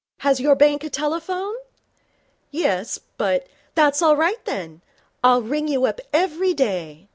Has your bank a telephone?' 'Yes. But ' 'That's all right, then. I'll ring you up every day.'